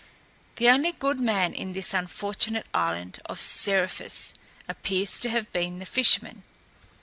The only good man in this unfortunate island of Seriphus appears to have been the fisherman.